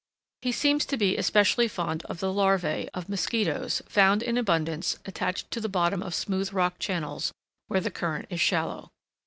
He seems to be especially fond of the larvae; of mosquitos, found in abundance attached to the bottom of smooth rock channels where the current is shallow.